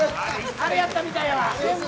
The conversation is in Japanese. あれやったみたいやわ。